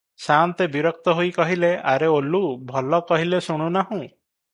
ସା'ନ୍ତେ ବିରକ୍ତ ହୋଇ କହିଲେ, ଆରେ ଓଲୁ, ଭଲ କହିଲେ ଶୁଣୁନାହୁଁ?